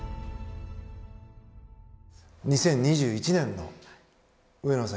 ２０２１年の上野さん